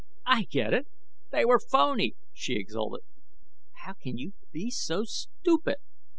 "I get it! They were phony," she exulted. "How can you be so stupid?